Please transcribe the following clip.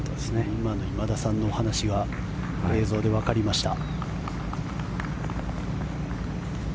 今の今田さんのお話が映像でわかりました。